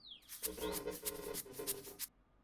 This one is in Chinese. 一家人都生活在恐惧之中